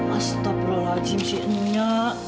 astagfirullahaladzim si enya